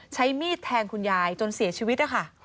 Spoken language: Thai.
ใช้มีดแทงคุณยายจนเสียชีวิตนะคะ